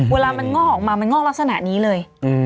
เวลามันงอกออกมามันงอกลักษณะนี้เลย